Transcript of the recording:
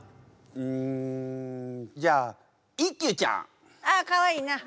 うんじゃあ一休ちゃん。ああかわいいな。